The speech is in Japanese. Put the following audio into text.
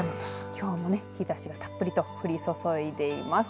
きょうも日ざしがたっぷりと降り注いでいます。